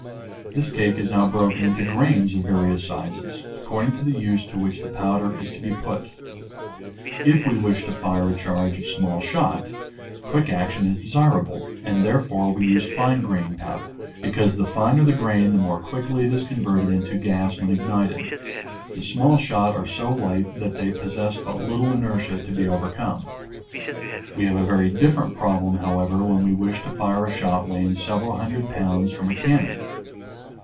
This cake is now broken into grains of various sizes, according to the use to which the powder is to be put. If we wish to fire a charge of small shot, quick action is desira ble, and therefore we use fine grained powder, because the finer the grain the more quickly it is converted into gas when ignited. The small shot are so light that they possess but little inertia to be overcome. We have a very different problem, however, when we wish to fire a shot weighing several hundred pounds from a cannon.